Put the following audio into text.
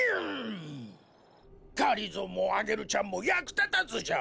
がりぞーもアゲルちゃんもやくたたずじゃ。